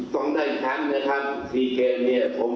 ต้องได้ครั้งนะครับทีเกมผมฝากไว้เลยนะครับ